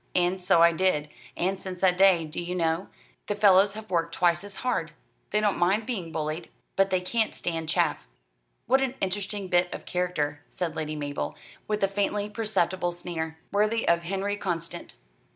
And so I did, and since that day, do you know, the fellows have worked twice as hard. They don't mind being bullied; but they can't stand chaff." "What an interesting bit of character," said Lady Mabel, with a faintly perceptible sneer. "Worthy of Henri Constant."